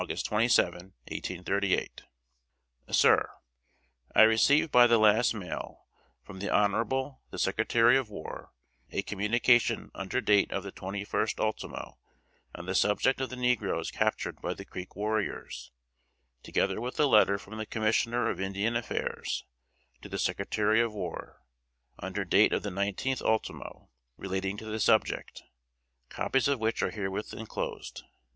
27, 1838. } "SIR: I received by the last mail, from the honorable the Secretary of War, a communication under date of the 21st ultimo, on the subject of the negroes captured by the Creek warriors, together with a letter from the Commissioner of Indian Affairs to the Secretary of War, under date of the 19th ultimo, relating to this subject, copies of which are herewith enclosed.